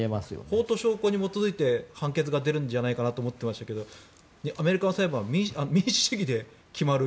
法と証拠に基づいて判決が出るんじゃないかなと思っていましたけどアメリカの裁判は民主主義で決まる？